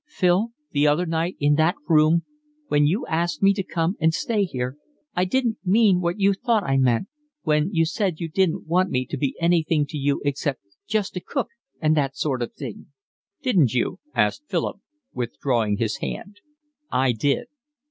"Phil, the other night in that room, when you asked me to come and stay here, I didn't mean what you thought I meant, when you said you didn't want me to be anything to you except just to cook and that sort of thing." "Didn't you?" answered Philip, withdrawing his hand. "I did."